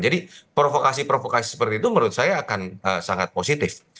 jadi provokasi provokasi seperti itu menurut saya akan sangat positif